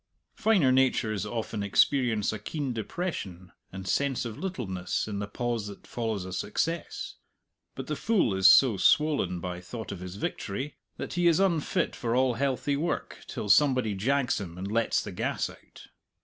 Finer natures often experience a keen depression and sense of littleness in the pause that follows a success. But the fool is so swollen by thought of his victory that he is unfit for all healthy work till somebody jags him and lets the gas out.